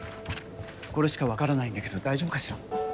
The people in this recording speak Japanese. これしか分からないんだけど大丈夫かしら？